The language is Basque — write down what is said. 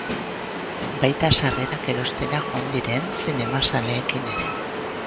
Baita sarrerak erostera joan diren zinema zaleekin ere.